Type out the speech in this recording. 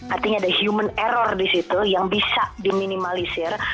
artinya ada human error di situ yang bisa diminimalisir